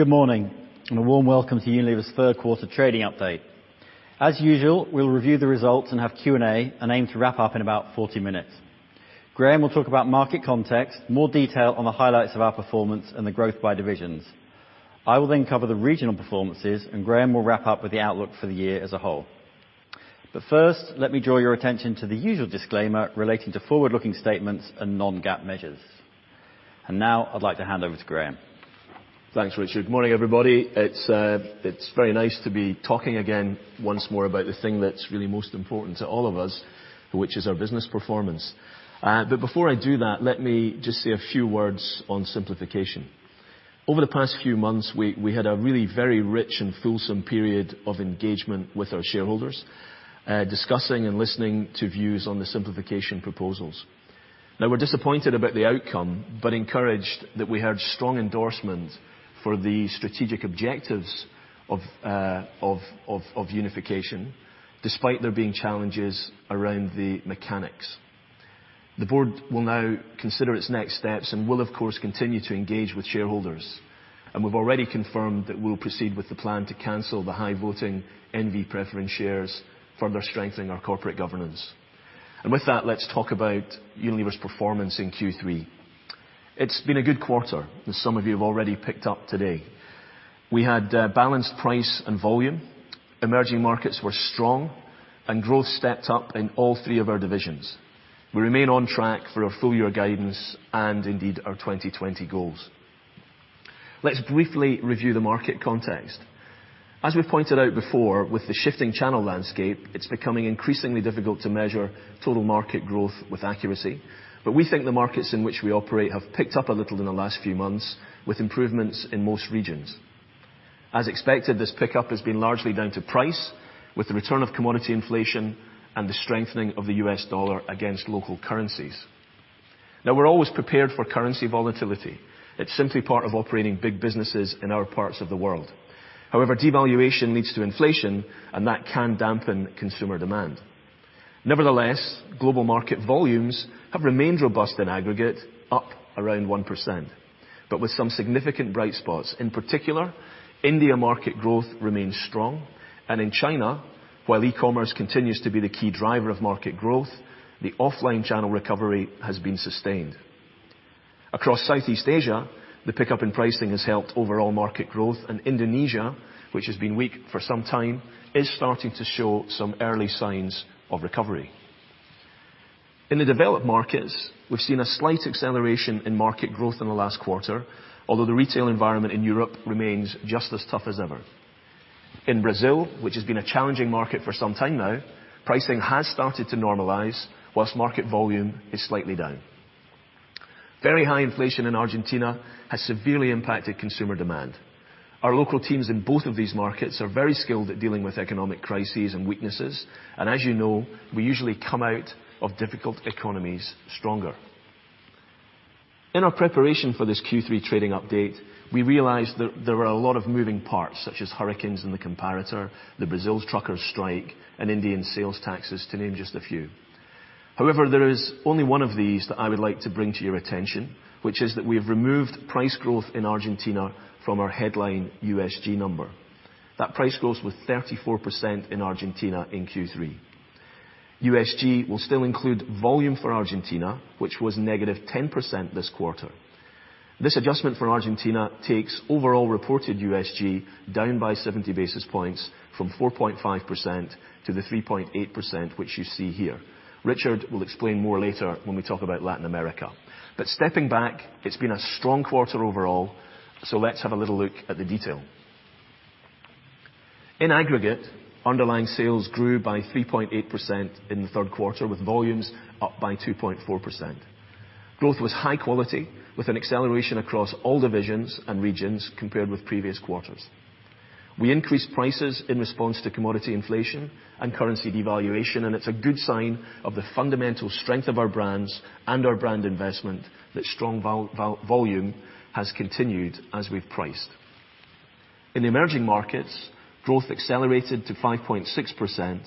Good morning, a warm welcome to Unilever's third quarter trading update. As usual, we'll review the results and have Q&A, and aim to wrap up in about 40 minutes. Graeme will talk about market context, more detail on the highlights of our performance, and the growth by divisions. I will then cover the regional performances, and Graeme will wrap up with the outlook for the year as a whole. First, let me draw your attention to the usual disclaimer relating to forward-looking statements and non-GAAP measures. Now I'd like to hand over to Graeme. Thanks, Richard. Good morning, everybody. It's very nice to be talking again once more about the thing that's really most important to all of us, which is our business performance. Before I do that, let me just say a few words on simplification. Over the past few months, we had a really very rich and fulsome period of engagement with our shareholders, discussing and listening to views on the simplification proposals. We're disappointed about the outcome, but encouraged that we had strong endorsement for the strategic objectives of unification, despite there being challenges around the mechanics. The board will now consider its next steps and will, of course, continue to engage with shareholders. We've already confirmed that we'll proceed with the plan to cancel the high-voting Unilever N.V. preference shares, further strengthening our corporate governance. With that, let's talk about Unilever's performance in Q3. It's been a good quarter, as some of you have already picked up today. We had balanced price and volume, emerging markets were strong, and growth stepped up in all three of our divisions. We remain on track for our full-year guidance and indeed our 2020 goals. Let's briefly review the market context. As we pointed out before, with the shifting channel landscape, it's becoming increasingly difficult to measure total market growth with accuracy. We think the markets in which we operate have picked up a little in the last few months, with improvements in most regions. As expected, this pickup has been largely down to price, with the return of commodity inflation and the strengthening of the US dollar against local currencies. We're always prepared for currency volatility. It's simply part of operating big businesses in our parts of the world. Devaluation leads to inflation, and that can dampen consumer demand. Nevertheless, global market volumes have remained robust in aggregate, up around 1%, but with some significant bright spots. In particular, India market growth remains strong, and in China, while e-commerce continues to be the key driver of market growth, the offline channel recovery has been sustained. Across Southeast Asia, the pickup in pricing has helped overall market growth, and Indonesia, which has been weak for some time, is starting to show some early signs of recovery. In the developed markets, we've seen a slight acceleration in market growth in the last quarter, although the retail environment in Europe remains just as tough as ever. In Brazil, which has been a challenging market for some time now, pricing has started to normalize, whilst market volume is slightly down. Very high inflation in Argentina has severely impacted consumer demand. Our local teams in both of these markets are very skilled at dealing with economic crises and weaknesses, as you know, we usually come out of difficult economies stronger. In our preparation for this Q3 trading update, we realized that there are a lot of moving parts, such as hurricanes in the comparator, the Brazil trucker strike, and Indian sales taxes, to name just a few. There is only one of these that I would like to bring to your attention, which is that we have removed price growth in Argentina from our headline USG number. That price growth was 34% in Argentina in Q3. USG will still include volume for Argentina, which was negative 10% this quarter. This adjustment for Argentina takes overall reported USG down by 70 basis points from 4.5% to the 3.8%, which you see here. Richard will explain more later when we talk about Latin America. Stepping back, it's been a strong quarter overall, let's have a little look at the detail. In aggregate, underlying sales grew by 3.8% in the third quarter, with volumes up by 2.4%. Growth was high quality, with an acceleration across all divisions and regions compared with previous quarters. We increased prices in response to commodity inflation and currency devaluation, it's a good sign of the fundamental strength of our brands and our brand investment that strong volume has continued as we've priced. In emerging markets, growth accelerated to 5.6%,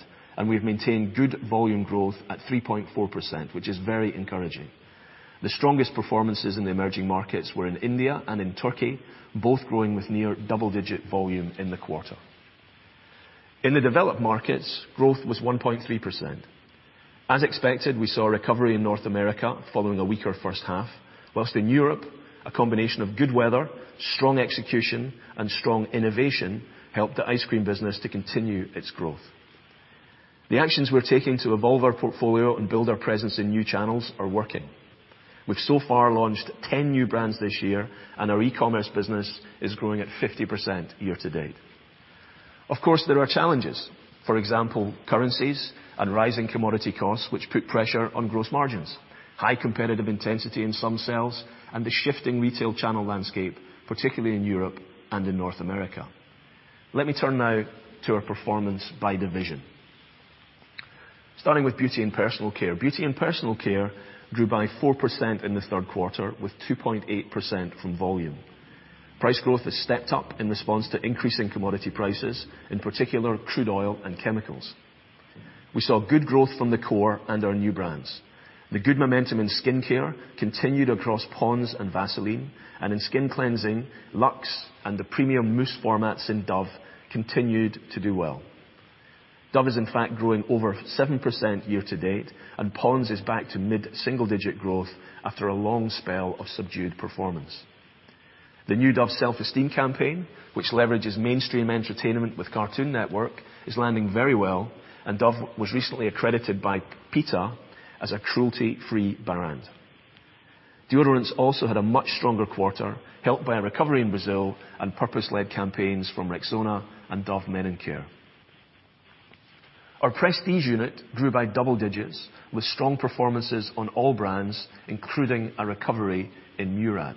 we've maintained good volume growth at 3.4%, which is very encouraging. The strongest performances in the emerging markets were in India and in Turkey, both growing with near double-digit volume in the quarter. In the developed markets, growth was 1.3%. As expected, we saw a recovery in North America following a weaker first half. Whilst in Europe, a combination of good weather, strong execution, and strong innovation helped the ice cream business to continue its growth. The actions we're taking to evolve our portfolio and build our presence in new channels are working. We've so far launched 10 new brands this year, our e-commerce business is growing at 50% year to date. There are challenges. Currencies and rising commodity costs, which put pressure on gross margins, high competitive intensity in some sales, and the shifting retail channel landscape, particularly in Europe and in North America. Let me turn now to our performance by division. Starting with Beauty & Personal Care. Beauty & Personal Care grew by 4% in the third quarter, with 2.8% from volume. Price growth has stepped up in response to increasing commodity prices, in particular crude oil and chemicals. We saw good growth from the core and our new brands. The good momentum in skin care continued across Pond's and Vaseline, and in skin cleansing, Lux and the premium mousse formats in Dove continued to do well. Dove is in fact growing over 7% year to date, and Pond's is back to mid single digit growth after a long spell of subdued performance. The new Dove Self-Esteem campaign, which leverages mainstream entertainment with Cartoon Network, is landing very well, and Dove was recently accredited by PETA as a cruelty-free brand. Deodorants also had a much stronger quarter, helped by a recovery in Brazil and purpose-led campaigns from Rexona and Dove Men+Care. Our prestige unit grew by double digits with strong performances on all brands, including a recovery in Murad.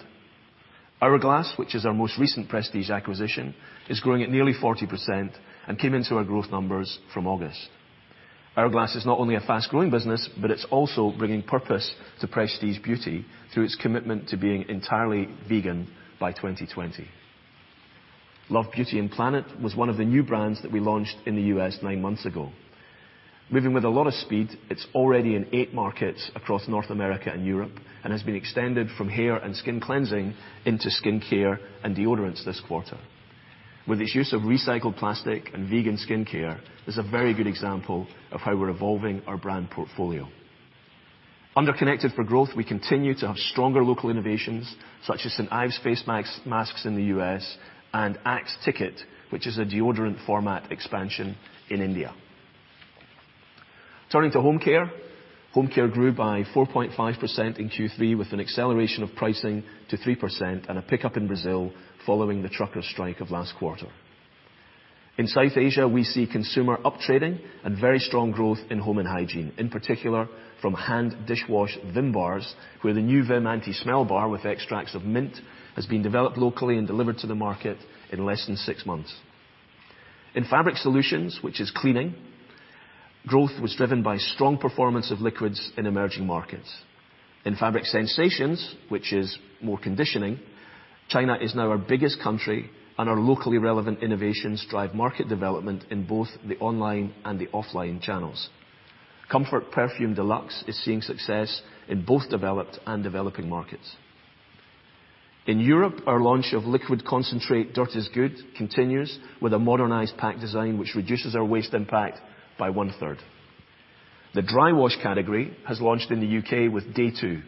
Hourglass, which is our most recent prestige acquisition, is growing at nearly 40% and came into our growth numbers from August. Hourglass is not only a fast-growing business, but it is also bringing purpose to prestige beauty through its commitment to being entirely vegan by 2020. Love Beauty and Planet was one of the new brands that we launched in the U.S. nine months ago. Moving with a lot of speed, it is already in eight markets across North America and Europe and has been extended from hair and skin cleansing into skin care and deodorants this quarter. With its use of recycled plastic and vegan skin care, it is a very good example of how we are evolving our brand portfolio. Under Connected for Growth, we continue to have stronger local innovations such as St. Ives face masks in the U.S. and Axe Ticket, which is a deodorant format expansion in India. Turning to Home Care. Home Care grew by 4.5% in Q3 with an acceleration of pricing to 3% and a pickup in Brazil following the trucker strike of last quarter. In South Asia, we see consumer up trading and very strong growth in home and hygiene, in particular from hand dish wash Vim bars, where the new Vim Anti-Smell bar with extracts of mint has been developed locally and delivered to the market in less than six months. In Fabric Solutions, which is cleaning, growth was driven by strong performance of liquids in emerging markets. In Fabric Sensations, which is more conditioning, China is now our biggest country, and our locally relevant innovations drive market development in both the online and the offline channels. Comfort Perfume Deluxe is seeing success in both developed and developing markets. In Europe, our launch of liquid concentrate Dirt Is Good continues with a modernized pack design, which reduces our waste impact by one-third. The dry wash category has launched in the U.K. with Day2.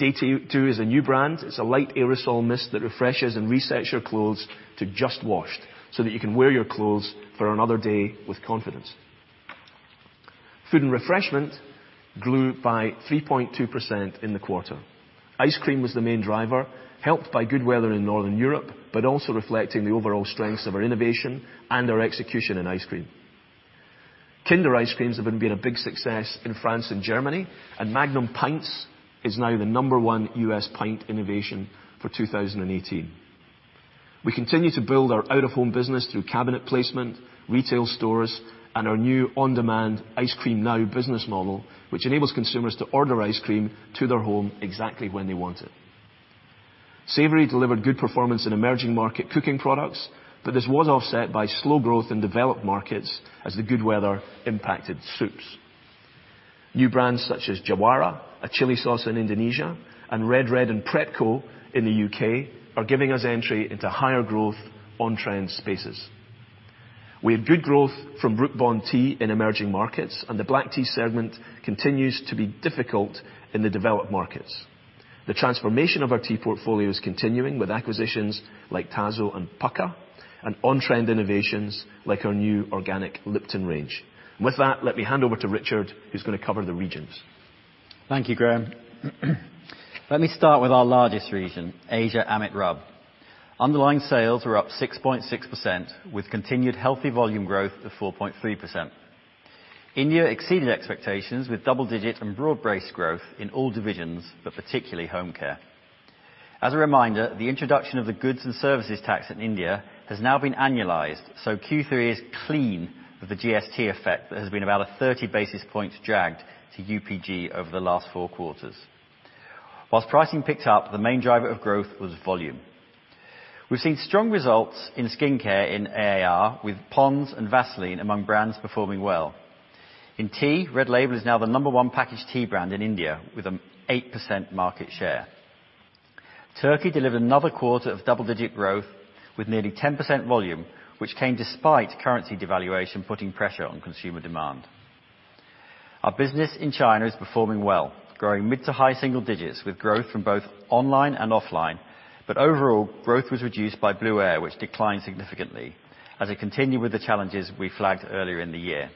Day2 is a new brand. It is a light aerosol mist that refreshes and resets your clothes to just washed so that you can wear your clothes for another day with confidence. Foods & Refreshment grew by 3.2% in the quarter. Ice cream was the main driver, helped by good weather in Northern Europe, but also reflecting the overall strengths of our innovation and our execution in ice cream. Kinder ice creams have been a big success in France and Germany, and Magnum Pints is now the number one U.S. pint innovation for 2018. We continue to build our out-of-home business through cabinet placement, retail stores, and our new on-demand Ice Cream Now business model, which enables consumers to order ice cream to their home exactly when they want it. Savory delivered good performance in emerging market cooking products, but this was offset by slow growth in developed markets as the good weather impacted soups. New brands such as Jawara, a chili sauce in Indonesia, and Red Red and Prep Co. in the U.K. are giving us entry into higher growth on-trend spaces. We have good growth from Brooke Bond Tea in emerging markets, and the black tea segment continues to be difficult in the developed markets. The transformation of our tea portfolio is continuing with acquisitions like Tazo and Pukka, and on-trend innovations like our new organic Lipton range. With that, let me hand over to Richard, who's going to cover the regions. Thank you, Graeme. Let me start with our largest region, Asia AMET RUB. Underlying sales were up 6.6% with continued healthy volume growth of 4.3%. India exceeded expectations with double-digit and broad-based growth in all divisions, particularly Home Care. As a reminder, the introduction of the Goods and Services Tax in India has now been annualized, Q3 is clean of the GST effect that has been about a 30 basis points drag to UPG over the last four quarters. While pricing picked up, the main driver of growth was volume. We've seen strong results in skin care in AAR with Pond's and Vaseline among brands performing well. In tea, Red Label is now the number one packaged tea brand in India with an 8% market share. Turkey delivered another quarter of double-digit growth with nearly 10% volume, which came despite currency devaluation putting pressure on consumer demand. Our business in China is performing well, growing mid-to-high single digits with growth from both online and offline, overall growth was reduced by Blueair, which declined significantly as it continued with the challenges we flagged earlier in the year.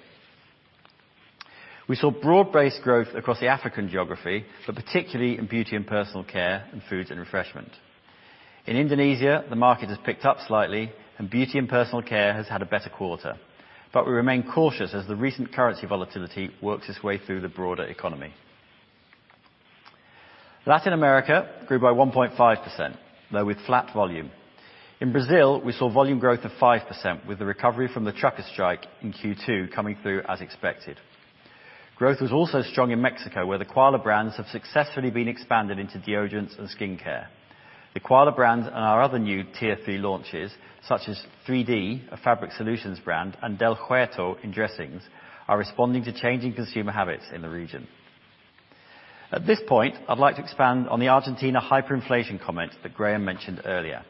We saw broad-based growth across the African geography, particularly in Beauty & Personal Care and Foods & Refreshment. In Indonesia, the market has picked up slightly and Beauty & Personal Care has had a better quarter, we remain cautious as the recent currency volatility works its way through the broader economy. Latin America grew by 1.5%, though with flat volume. In Brazil, we saw volume growth of 5% with the recovery from the trucker strike in Q2 coming through as expected. Growth was also strong in Mexico, where the Quala brands have successfully been expanded into deodorants and skincare. The Quala brands and our other new Tier 3 launches, such as 3D, a Fabric Solutions brand, and Del Huerto in dressings, are responding to changing consumer habits in the region. At this point, I'd like to expand on the Argentina hyperinflation comment that Graeme mentioned earlier.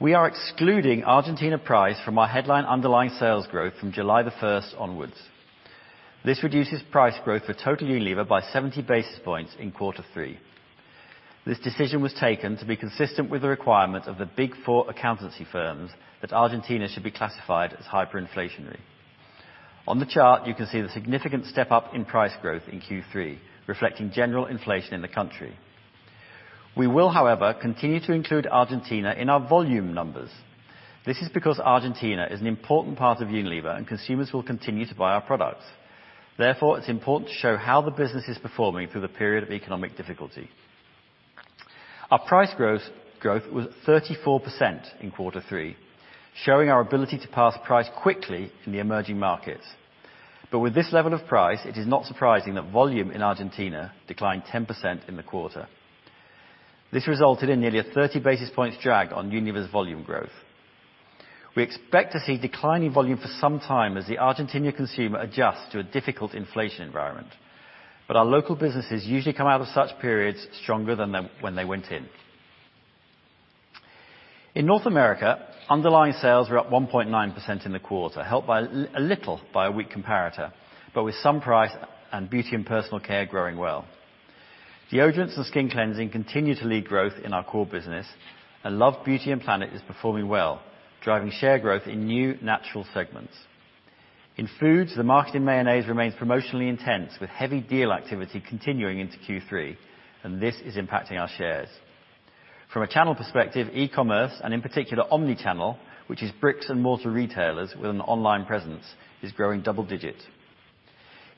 We are excluding Argentina price from our headline underlying sales growth from July 1st onwards. This reduces price growth for total Unilever by 70 basis points in quarter three. This decision was taken to be consistent with the requirement of the Big Four accountancy firms that Argentina should be classified as hyperinflationary. On the chart, you can see the significant step-up in price growth in Q3, reflecting general inflation in the country. We will, however, continue to include Argentina in our volume numbers. This is because Argentina is an important part of Unilever, consumers will continue to buy our products. It's important to show how the business is performing through the period of economic difficulty. Our price growth was 34% in quarter three, showing our ability to pass price quickly in the emerging markets. With this level of price, it is not surprising that volume in Argentina declined 10% in the quarter. This resulted in nearly a 30 basis points drag on Unilever's volume growth. We expect to see declining volume for some time as the Argentina consumer adjusts to a difficult inflation environment. Our local businesses usually come out of such periods stronger than when they went in. In North America, underlying sales were up 1.9% in the quarter, helped a little by a weak comparator, with some price and Beauty & Personal Care growing well. Deodorants and skin cleansing continue to lead growth in our core business. Love Beauty and Planet is performing well, driving share growth in new natural segments. In foods, the market in mayonnaise remains promotionally intense, with heavy deal activity continuing into Q3, this is impacting our shares. From a channel perspective, e-commerce, and in particular omni-channel, which is bricks-and-mortar retailers with an online presence, is growing double digit.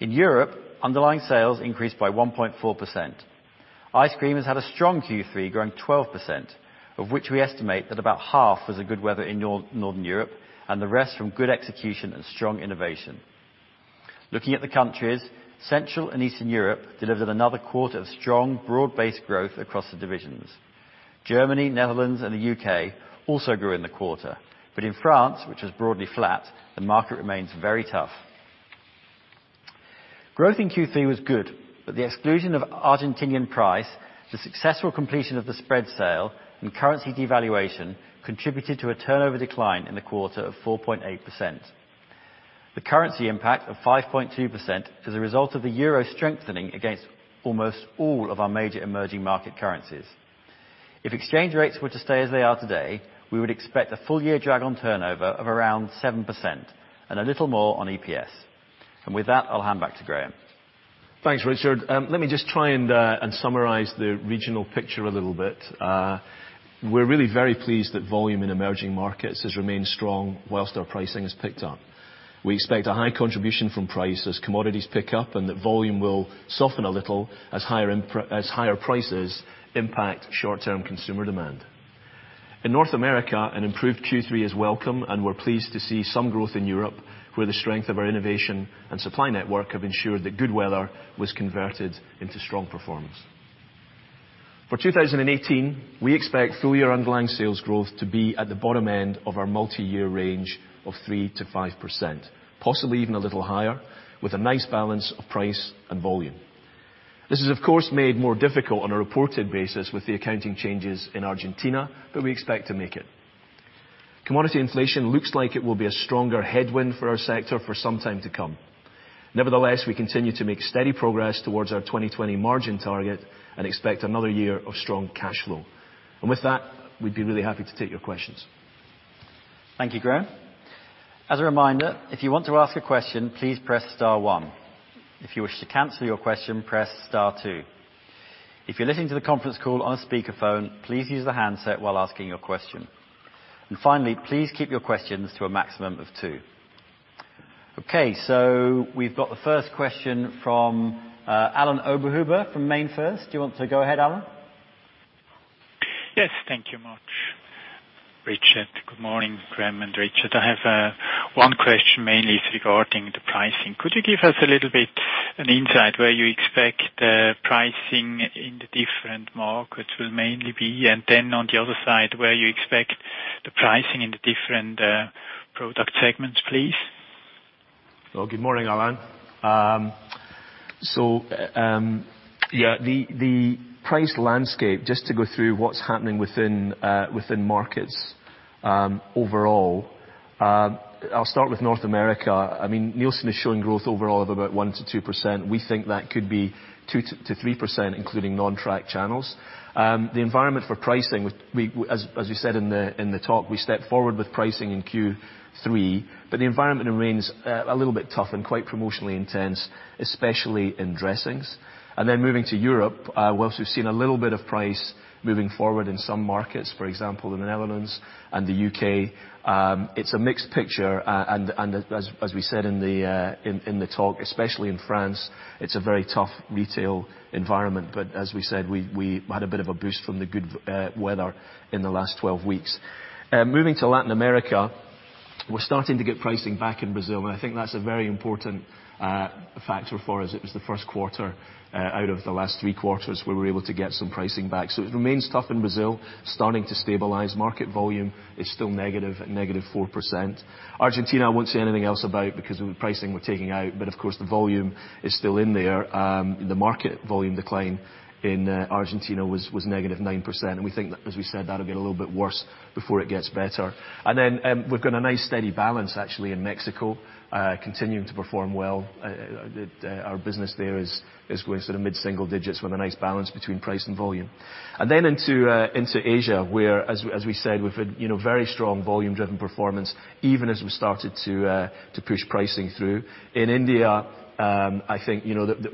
In Europe, underlying sales increased by 1.4%. Ice cream has had a strong Q3, growing 12%, of which we estimate that about half was the good weather in Northern Europe, and the rest from good execution and strong innovation. Looking at the countries, Central and Eastern Europe delivered another quarter of strong, broad-based growth across the divisions. Germany, Netherlands, and the U.K. also grew in the quarter. In France, which was broadly flat, the market remains very tough. Growth in Q3 was good, the exclusion of Argentinian price, the successful completion of the spread sale, and currency devaluation contributed to a turnover decline in the quarter of 4.8%. The currency impact of 5.2% is a result of the EUR strengthening against almost all of our major emerging market currencies. If exchange rates were to stay as they are today, we would expect a full-year drag on turnover of around 7%, and a little more on EPS. With that, I'll hand back to Graeme. Thanks, Richard. Let me just try and summarize the regional picture a little bit. We're really very pleased that volume in emerging markets has remained strong whilst our pricing has picked up. We expect a high contribution from price as commodities pick up, that volume will soften a little as higher prices impact short-term consumer demand. In North America, an improved Q3 is welcome, we're pleased to see some growth in Europe, where the strength of our innovation and supply network have ensured that good weather was converted into strong performance. For 2018, we expect full-year underlying sales growth to be at the bottom end of our multiyear range of 3%-5%, possibly even a little higher, with a nice balance of price and volume. This is, of course, made more difficult on a reported basis with the accounting changes in Argentina, but we expect to make it. Commodity inflation looks like it will be a stronger headwind for our sector for some time to come. Nevertheless, we continue to make steady progress towards our 2020 margin target and expect another year of strong cash flow. With that, we'd be really happy to take your questions. Thank you, Graeme. As a reminder, if you want to ask a question, please press star one. If you wish to cancel your question, press star two. If you're listening to the conference call on a speakerphone, please use the handset while asking your question. Finally, please keep your questions to a maximum of two. We've got the first question from Alain Oberhuber from MainFirst. Do you want to go ahead, Alain? Yes, thank you much, Richard. Good morning, Graeme and Richard. I have one question mainly regarding the pricing. Could you give us a little bit an insight where you expect pricing in the different markets will mainly be, and then on the other side, where you expect the pricing in the different product segments, please? Well, good morning, Alain. The price landscape, just to go through what's happening within markets overall, I'll start with North America. Nielsen is showing growth overall of about 1%-2%. We think that could be 2%-3%, including non-tracked channels. The environment for pricing, as we said in the talk, we stepped forward with pricing in Q3, but the environment remains a little bit tough and quite promotionally intense, especially in dressings. Then moving to Europe, whilst we've seen a little bit of price moving forward in some markets, for example, in the Netherlands and the U.K., it's a mixed picture. As we said in the talk, especially in France, it's a very tough retail environment. As we said, we had a bit of a boost from the good weather in the last 12 weeks. Moving to Latin America. We're starting to get pricing back in Brazil, I think that's a very important factor for us. It was the first quarter out of the last three quarters we were able to get some pricing back. It remains tough in Brazil, starting to stabilize. Market volume is still negative at negative 4%. Argentina, I won't say anything else about because the pricing we're taking out, but of course, the volume is still in there. The market volume decline in Argentina was negative 9%, and we think that, as we said, that'll get a little bit worse before it gets better. We've got a nice steady balance, actually, in Mexico, continuing to perform well. Our business there is going mid-single digits with a nice balance between price and volume. Into Asia, where, as we said, we've had very strong volume-driven performance, even as we started to push pricing through. In India, I think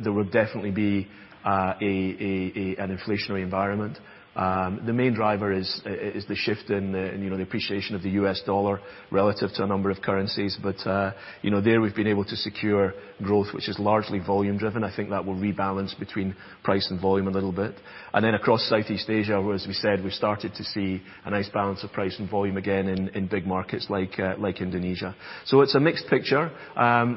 there would definitely be an inflationary environment. The main driver is the shift in the appreciation of the US dollar relative to a number of currencies. There we've been able to secure growth, which is largely volume driven. I think that will rebalance between price and volume a little bit. Across Southeast Asia, where, as we said, we've started to see a nice balance of price and volume again in big markets like Indonesia. It's a mixed picture.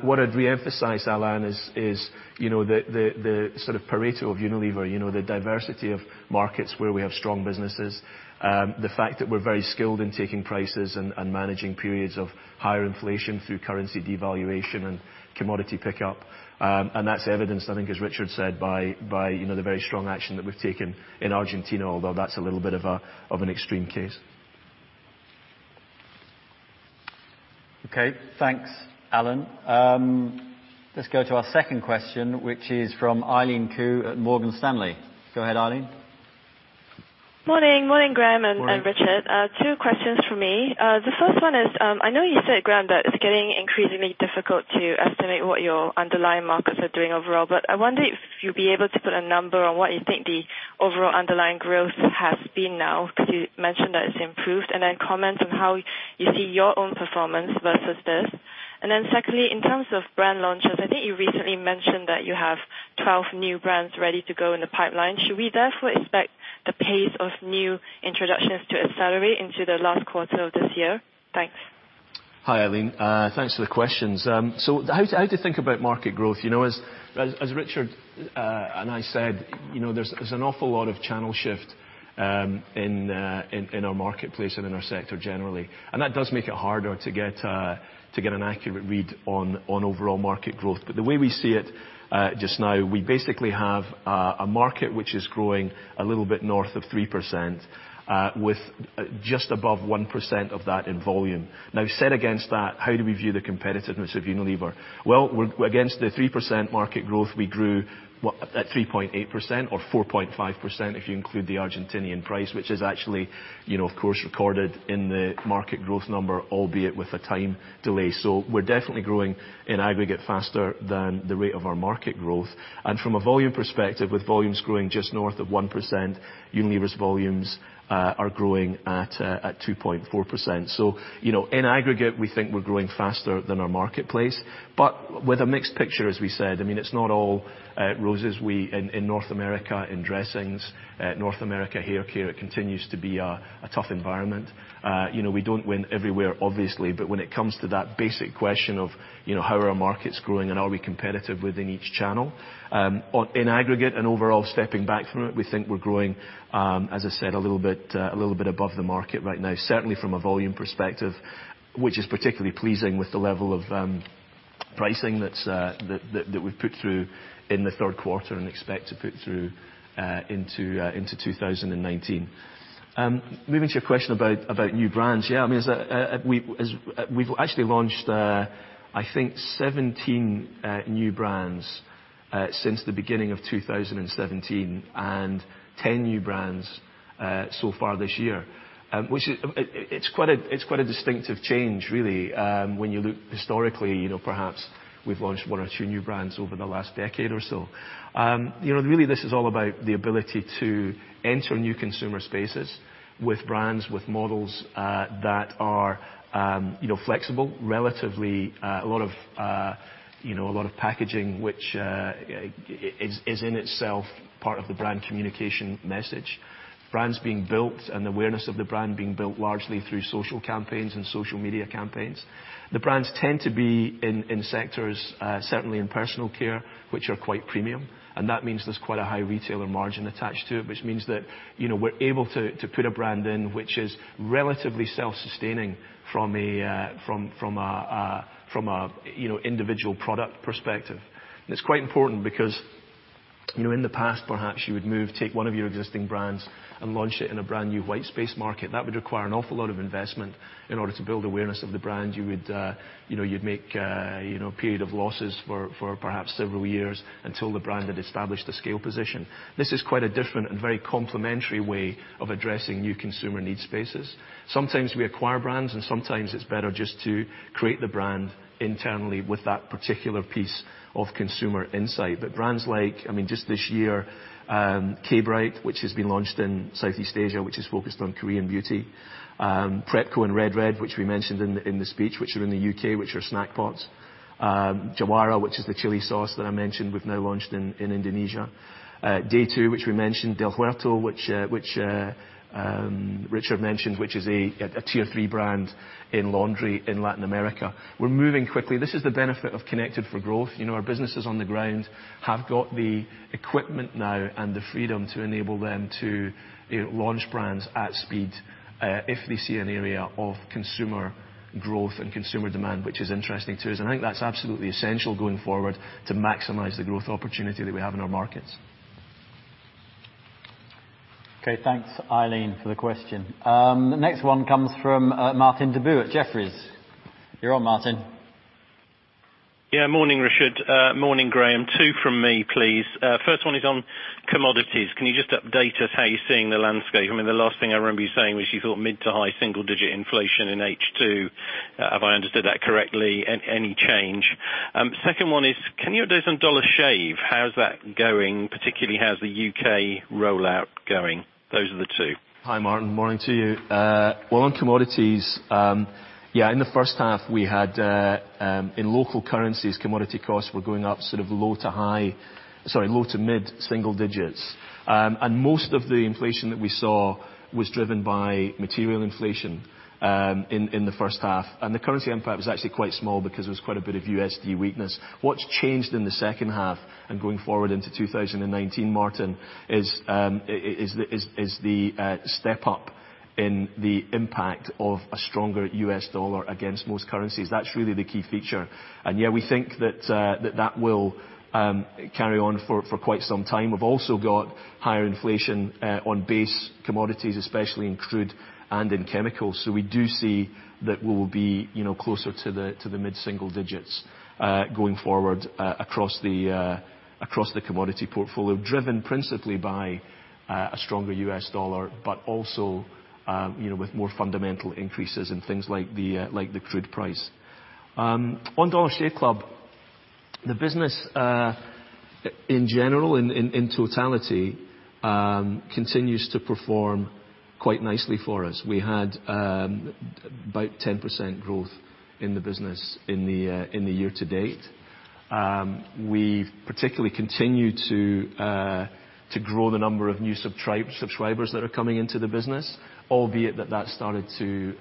What I'd re-emphasize, Alain, is the Pareto of Unilever, the diversity of markets where we have strong businesses. The fact that we're very skilled in taking prices and managing periods of higher inflation through currency devaluation and commodity pickup. That's evidenced, I think, as Richard said, by the very strong action that we've taken in Argentina, although that's a little bit of an extreme case. Okay, thanks, Alain. Let's go to our second question, which is from Eileen Khoo at Morgan Stanley. Go ahead, Eileen. Morning, Graeme and Richard. Morning. Two questions from me. The first one is, I know you said, Graeme, that it's getting increasingly difficult to estimate what your underlying markets are doing overall, I wonder if you'd be able to put a number on what you think the overall underlying growth has been now, because you mentioned that it's improved, and then comment on how you see your own performance versus this. Secondly, in terms of brand launches, I think you recently mentioned that you have 12 new brands ready to go in the pipeline. Should we therefore expect the pace of new introductions to accelerate into the last quarter of this year? Thanks. Hi, Eileen. Thanks for the questions. How to think about market growth? As Richard and I said, there's an awful lot of channel shift in our marketplace and in our sector generally, that does make it harder to get an accurate read on overall market growth. The way we see it just now, we basically have a market which is growing a little bit north of 3% with just above 1% of that in volume. Now set against that, how do we view the competitiveness of Unilever? Against the 3% market growth, we grew at 3.8% or 4.5% if you include the Argentinian price, which is actually, of course, recorded in the market growth number, albeit with a time delay. We're definitely growing in aggregate faster than the rate of our market growth. From a volume perspective, with volumes growing just north of 1%, Unilever's volumes are growing at 2.4%. In aggregate, we think we're growing faster than our marketplace, but with a mixed picture, as we said. It's not all roses. In North America, in dressings, North America, hair care, it continues to be a tough environment. We don't win everywhere, obviously. When it comes to that basic question of how are our markets growing and are we competitive within each channel? In aggregate and overall stepping back from it, we think we're growing, as I said, a little bit above the market right now, certainly from a volume perspective, which is particularly pleasing with the level of pricing that we've put through in the third quarter and expect to put through into 2019. Moving to your question about new brands. Yeah, we've actually launched, I think, 17 new brands since the beginning of 2017 and 10 new brands so far this year. It's quite a distinctive change, really, when you look historically. Perhaps we've launched one or two new brands over the last decade or so. This is all about the ability to enter new consumer spaces with brands, with models that are flexible, relatively a lot of packaging, which is in itself part of the brand communication message. Brands being built and awareness of the brand being built largely through social campaigns and social media campaigns. The brands tend to be in sectors, certainly in personal care, which are quite premium, and that means there's quite a high retailer margin attached to it, which means that we're able to put a brand in which is relatively self-sustaining from an individual product perspective. It's quite important because in the past, perhaps you would move, take one of your existing brands and launch it in a brand new white space market. That would require an awful lot of investment in order to build awareness of the brand. You'd make a period of losses for perhaps several years until the brand had established a scale position. This is quite a different and very complementary way of addressing new consumer need spaces. Sometimes we acquire brands, and sometimes it's better just to create the brand internally with that particular piece of consumer insight. Brands like, just this year, K-Bright, which has been launched in Southeast Asia, which is focused on Korean beauty. Prep Co. and Red Red, which we mentioned in the speech, which are in the U.K., which are snack pots. Jawara, which is the chili sauce that I mentioned we've now launched in Indonesia. Day2, which we mentioned. Del Huerto, which Richard mentioned, which is a tier 3 brand in laundry in Latin America. We're moving quickly. This is the benefit of Connected for Growth. Our businesses on the ground have got the equipment now and the freedom to enable them to launch brands at speed if they see an area of consumer growth and consumer demand, which is interesting to us. I think that's absolutely essential going forward to maximize the growth opportunity that we have in our markets. Okay. Thanks, Eileen, for the question. The next one comes from Martin Deboo at Jefferies. You're on, Martin. Yeah. Morning, Richard. Morning, Graeme. Two from me, please. First one is on commodities. Can you just update us how you're seeing the landscape? The last thing I remember you saying was you thought mid-to-high single-digit inflation in H2. Have I understood that correctly? Any change? Second one is, can you update on Dollar Shave Club? How's that going, particularly how's the U.K. rollout going? Those are the two. Hi, Martin. Morning to you. Well, on commodities, yeah, in the first half we had, in local currencies, commodity costs were going up sort of low-to-mid single-digits. Most of the inflation that we saw was driven by material inflation in the first half. The currency impact was actually quite small because there was quite a bit of USD weakness. What's changed in the second half and going forward into 2019, Martin, is the step up in the impact of a stronger U.S. dollar against most currencies. That's really the key feature. Yeah, we think that will carry on for quite some time. We've also got higher inflation on base commodities, especially in crude and in chemicals. We do see that we will be closer to the mid-single-digits, going forward, across the commodity portfolio, driven principally by a stronger U.S. dollar, but also with more fundamental increases in things like the crude price. On Dollar Shave Club, the business, in general, in totality, continues to perform quite nicely for us. We had about 10% growth in the business in the year to date. We've particularly continued to grow the number of new subscribers that are coming into the business, albeit that that started to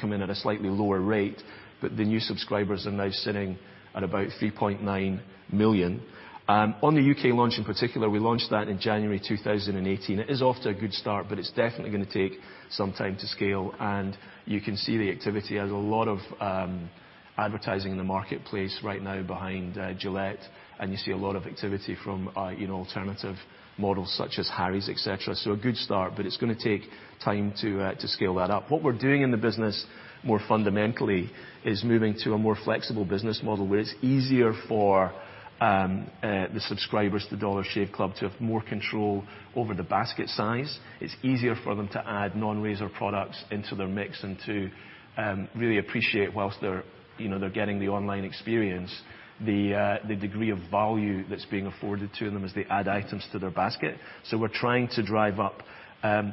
come in at a slightly lower rate. The new subscribers are now sitting at about 3.9 million. On the U.K. launch in particular, we launched that in January 2018. It is off to a good start, but it's definitely going to take some time to scale, and you can see the activity. There's a lot of advertising in the marketplace right now behind Gillette, and you see a lot of activity from alternative models such as Harry's, et cetera. A good start, but it's going to take time to scale that up. What we're doing in the business more fundamentally is moving to a more flexible business model, where it's easier for the subscribers to Dollar Shave Club to have more control over the basket size. It's easier for them to add non-razor products into their mix and to really appreciate, whilst they're getting the online experience, the degree of value that's being afforded to them as they add items to their basket. We're trying to drive up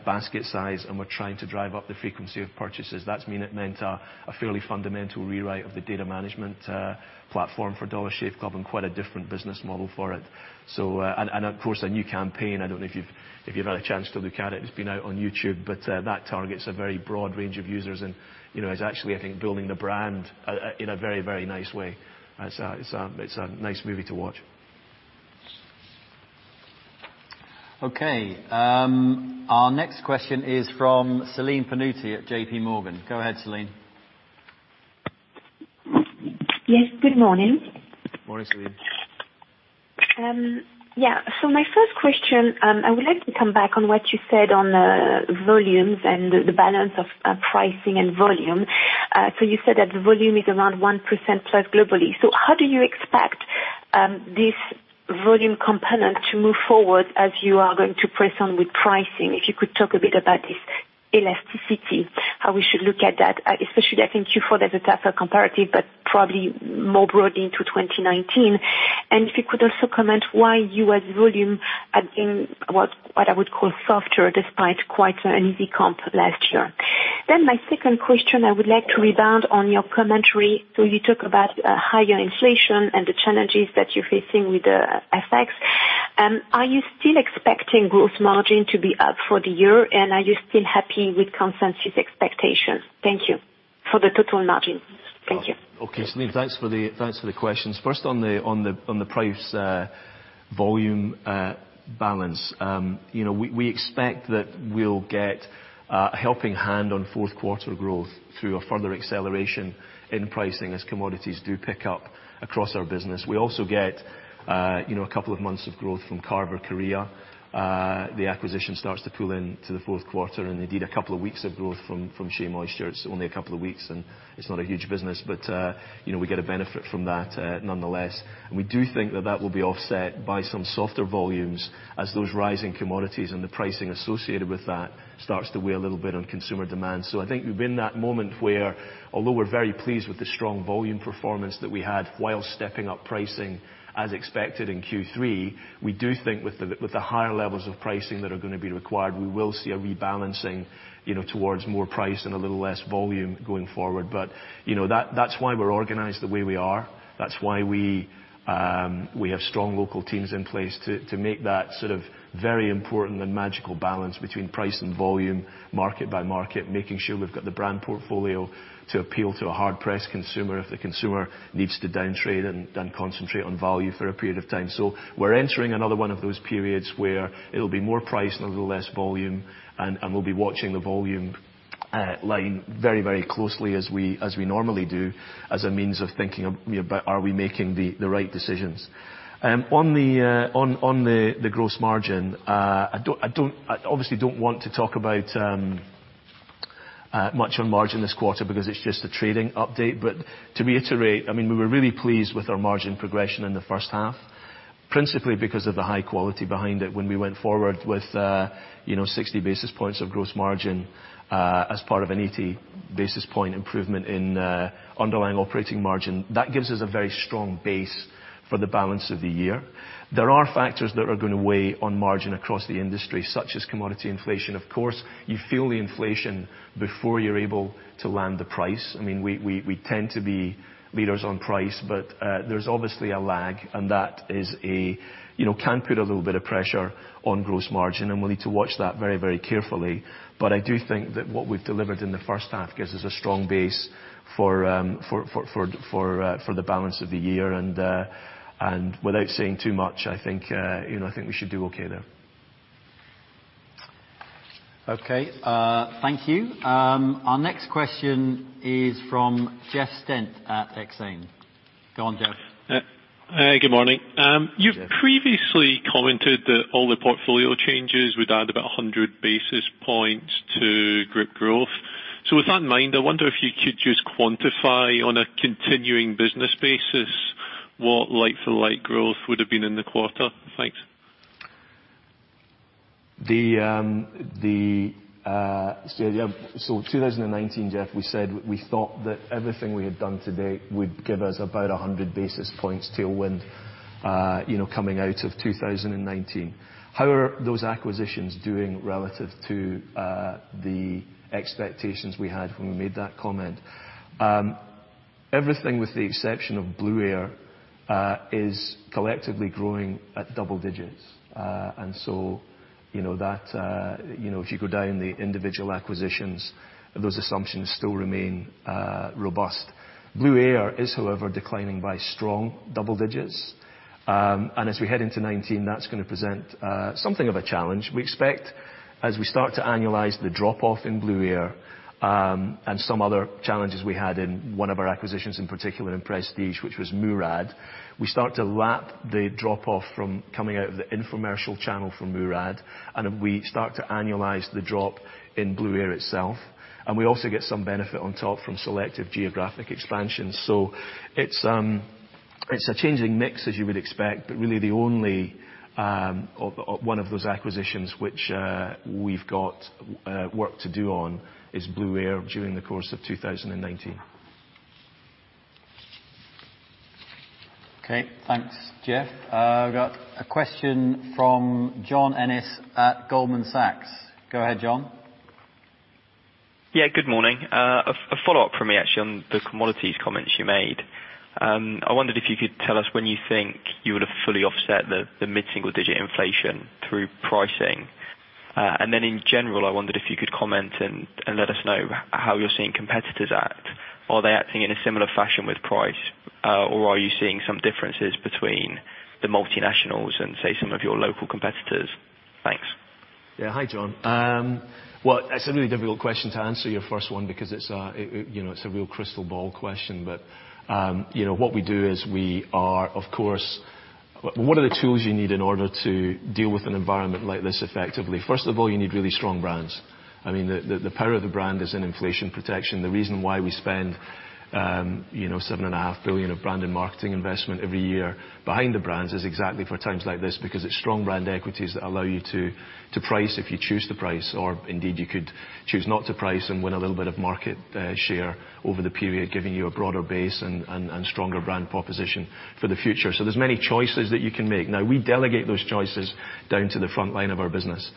basket size, and we're trying to drive up the frequency of purchases. That's meant a fairly fundamental rewrite of the data management platform for Dollar Shave Club and quite a different business model for it. Of course, a new campaign, I don't know if you've had a chance to look at it's been out on YouTube. That targets a very broad range of users and is actually, I think, building the brand in a very, very nice way. It's a nice movie to watch. Okay. Our next question is from Celine Pannuti at JPMorgan. Go ahead, Celine. Yes, good morning. Morning, Celine. My first question, I would like to come back on what you said on volumes and the balance of pricing and volume. You said that volume is around 1%+ globally. How do you expect this volume component to move forward as you are going to press on with pricing? If you could talk a bit about this elasticity, how we should look at that, especially I think Q4 there's a tougher comparative, but probably more broadly into 2019. If you could also comment why U.S. volume had been, what I would call softer, despite quite an easy comp last year. My second question, I would like to rebound on your commentary. You talk about higher inflation and the challenges that you're facing with the FX. Are you still expecting gross margin to be up for the year and are you still happy with consensus expectations? Thank you. For the total margin. Okay, Celine, thanks for the questions. First on the price volume balance. We expect that we'll get a helping hand on fourth quarter growth through a further acceleration in pricing as commodities do pick up across our business. We also get a couple of months of growth from Carver Korea. The acquisition starts to pull into the fourth quarter, and indeed, a couple of weeks of growth from SheaMoisture. It's only a couple of weeks, and it's not a huge business, but we get a benefit from that nonetheless. We do think that that will be offset by some softer volumes as those rising commodities and the pricing associated with that starts to weigh a little bit on consumer demand. I think we're in that moment where, although we're very pleased with the strong volume performance that we had while stepping up pricing as expected in Q3, we do think with the higher levels of pricing that are going to be required, we will see a rebalancing towards more price and a little less volume going forward. That's why we're organized the way we are. That's why we have strong local teams in place to make that sort of very important and magical balance between price and volume, market by market, making sure we've got the brand portfolio to appeal to a hard-pressed consumer if the consumer needs to downtrade and concentrate on value for a period of time. We are entering another one of those periods where it will be more price and a little less volume, and we will be watching the volume line very, very closely as we normally do as a means of thinking about are we making the right decisions. On the gross margin, I obviously do not want to talk about much on margin this quarter because it is just a trading update. To reiterate, we were really pleased with our margin progression in the first half, principally because of the high quality behind it when we went forward with 60 basis points of gross margin as part of an 80 basis point improvement in underlying operating margin. That gives us a very strong base for the balance of the year. There are factors that are going to weigh on margin across the industry, such as commodity inflation. Of course, you feel the inflation before you are able to land the price. We tend to be leaders on price, but there is obviously a lag, and that can put a little bit of pressure on gross margin, and we will need to watch that very, very carefully. I do think that what we have delivered in the first half gives us a strong base for the balance of the year. Without saying too much, I think we should do okay there. Okay. Thank you. Our next question is from Jeff Stent at Exane. Go on, Jeff. Hi, good morning. Hi, Jeff. You've previously commented that all the portfolio changes would add about 100 basis points to group growth. With that in mind, I wonder if you could just quantify on a continuing business basis what like-for-like growth would've been in the quarter. Thanks. 2019, Jeff, we said we thought that everything we had done to date would give us about 100 basis points tailwind coming out of 2019. How are those acquisitions doing relative to the expectations we had when we made that comment? Everything with the exception of Blueair is collectively growing at double digits. If you go down the individual acquisitions, those assumptions still remain robust. Blueair is, however, declining by strong double digits. As we head into 2019, that's going to present something of a challenge. We expect as we start to annualize the drop-off in Blueair, and some other challenges we had in one of our acquisitions, in particular in Prestige, which was Murad, we start to lap the drop-off from coming out of the infomercial channel from Murad, and we start to annualize the drop in Blueair itself, and we also get some benefit on top from selective geographic expansion. It's a changing mix as you would expect, but really the only one of those acquisitions which we've got work to do on is Blueair during the course of 2019. Okay, thanks, Jeff. I've got a question from John Ennis at Goldman Sachs. Go ahead, John. Yeah, good morning. A follow-up from me actually on the commodities comments you made. I wondered if you could tell us when you think you would've fully offset the mid-single-digit inflation through pricing. In general, I wondered if you could comment and let us know how you're seeing competitors act. Are they acting in a similar fashion with price, or are you seeing some differences between the multinationals and, say, some of your local competitors? Thanks. Yeah. Hi, John. Well, it's a really difficult question to answer, your first one, because it's a real crystal ball question. What are the tools you need in order to deal with an environment like this effectively? First of all, you need really strong brands. The power of the brand is in inflation protection. The reason why we spend seven and a half billion of brand and marketing investment every year behind the brands is exactly for times like this, because it's strong brand equities that allow you to price if you choose to price, or indeed you could choose not to price and win a little bit of market share over the period, giving you a broader base and stronger brand proposition for the future. There's many choices that you can make. We delegate those choices down to the front line of our business.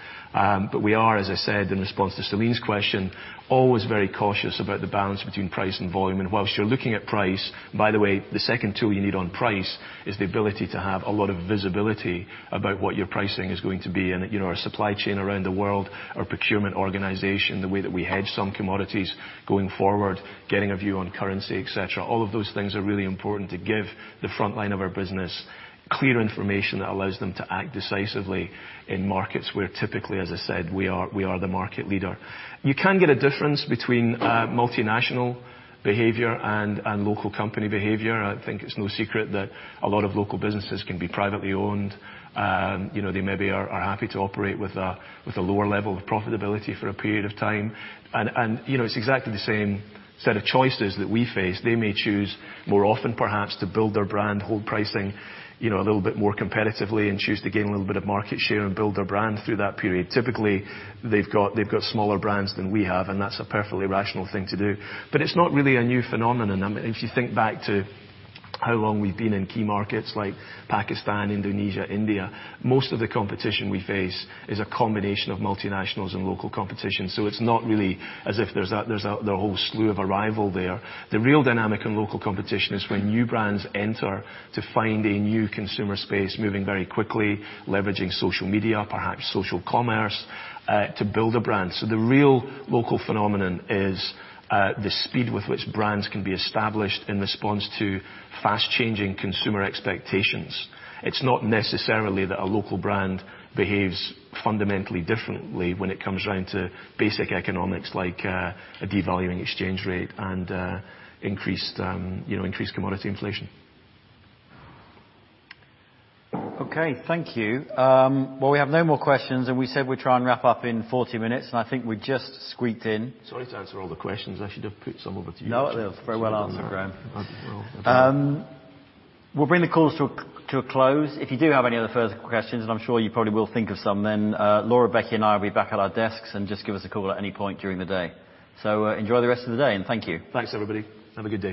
We are, as I said in response to Celine's question, always very cautious about the balance between price and volume. Whilst you're looking at price, by the way, the second tool you need on price is the ability to have a lot of visibility about what your pricing is going to be, and our supply chain around the world, our procurement organization, the way that we hedge some commodities going forward, getting a view on currency, et cetera. All of those things are really important to give the front line of our business clear information that allows them to act decisively in markets where typically, as I said, we are the market leader. You can get a difference between multinational behavior and local company behavior. I think it's no secret that a lot of local businesses can be privately owned. They maybe are happy to operate with a lower level of profitability for a period of time. It's exactly the same set of choices that we face. They may choose more often perhaps to build their brand, hold pricing a little bit more competitively, choose to gain a little bit of market share and build their brand through that period. Typically, they've got smaller brands than we have, and that's a perfectly rational thing to do. It's not really a new phenomenon. If you think back to how long we've been in key markets like Pakistan, Indonesia, India, most of the competition we face is a combination of multinationals and local competition. It's not really as if there's a whole slew of arrival there. The real dynamic in local competition is when new brands enter to find a new consumer space, moving very quickly, leveraging social media, perhaps social commerce, to build a brand. The real local phenomenon is the speed with which brands can be established in response to fast-changing consumer expectations. It's not necessarily that a local brand behaves fundamentally differently when it comes down to basic economics like a devaluing exchange rate and increased commodity inflation. Okay, thank you. We have no more questions, we said we'd try and wrap up in 40 minutes, I think we just squeaked in. Sorry to answer all the questions. I should have put some over to you. No, very well answered, Graeme. Well done. We'll bring the calls to a close. If you do have any other further questions, and I'm sure you probably will think of some, then Laura, Becky, and I will be back at our desks and just give us a call at any point during the day. Enjoy the rest of the day, and thank you. Thanks, everybody. Have a good day.